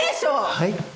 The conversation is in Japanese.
はい。